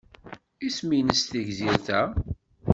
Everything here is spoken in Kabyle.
Isem-nnes tegzirt-a?